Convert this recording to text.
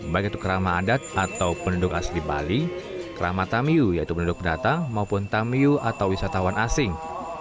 baik itu kerama adat atau penduduk asli bali kerama tamiu yaitu penduduk pendatang maupun tamiu atau wisatawan asing